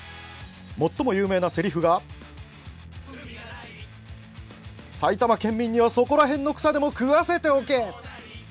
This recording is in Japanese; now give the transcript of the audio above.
最も有名なせりふが埼玉県人にはそこらへんの草でも食わせておけ！